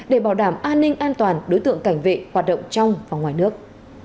để bảo đảm an ninh an toàn đối tượng cảnh vệ hoạt động trong và ngoài nước